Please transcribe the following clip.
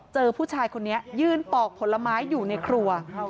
เจอผู้ชายคนนี้ยืนปอกผลไม้อยู่ในครัว